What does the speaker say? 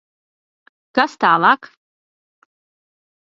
Kas tālāk?